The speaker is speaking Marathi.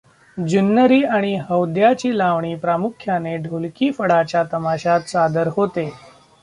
जुन्नरी आणि हौद्याची लावणी प्रामुख्याने ढोलकी फडाच्या तमाशात सादर होते.